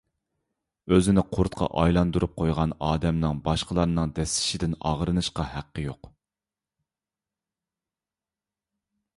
ئۆزىنى قۇرتقا ئايلاندۇرۇپ قويغان ئادەمنىڭ باشقىلارنىڭ دەسسىشىدىن ئاغرىنىشقا ھەققى يوق.